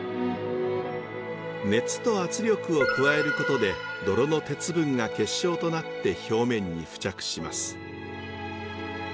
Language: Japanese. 熱と圧力を加えることで泥の鉄分が結晶となって表面に付着します。